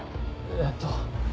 えっと。